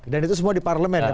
dan itu semua di parlemen